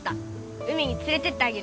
海につれてってあげる。